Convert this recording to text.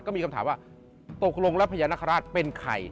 ก็มีคำถามว่าตกลงแล้วพญานาคาราชเป็นใคร